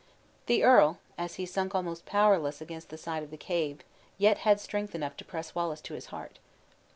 The earl, as he sunk almost powerless against the side of the cave, yet had strength enough to press Wallace to his heart.